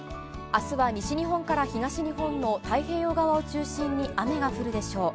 あすは西日本から東日本の太平洋側を中心に雨が降るでしょう。